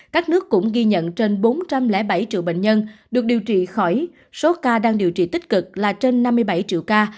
các nước cũng ghi nhận trên bốn trăm linh bảy triệu bệnh nhân được điều trị khỏi số ca đang điều trị tích cực là trên năm mươi bảy triệu ca